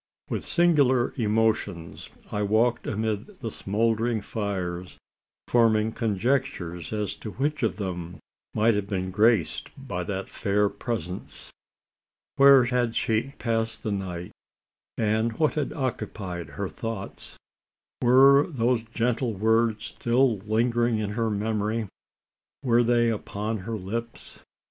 With singular emotions, I walked amid the smouldering fires forming conjectures as to which of them might have been graced by that fair presence. Where had she passed the night, and what had occupied her thoughts? Were those gentle words still lingering in her memory? Were they upon her lips?